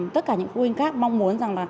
tất cả những phụ huynh khác mong muốn